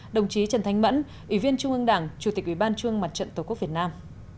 đồng chí trần thanh mẫn ủy viên trung ương đảng chủ tịch ủy ban trung mặt trận tổ quốc việt nam